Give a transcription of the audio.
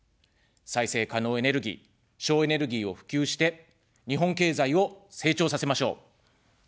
再生可能エネルギー、省エネルギーを普及して、日本経済を成長させましょう。